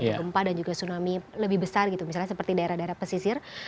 gempa dan juga tsunami lebih besar gitu misalnya seperti daerah daerah pesisir